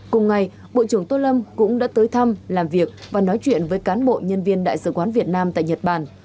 cùng ngày bộ trưởng tô lâm cũng đã tới thăm làm việc và nói chuyện với cán bộ nhân viên đại sứ quán việt nam tại nhật bản